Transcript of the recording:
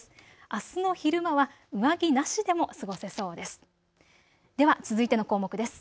あすの昼間は上着なしでも過ごせそうです。